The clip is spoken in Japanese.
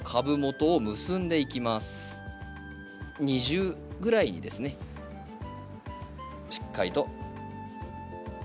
２重ぐらいにですねしっかりと。